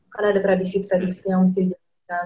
kan ada tradisi tradisi yang harus dijalankan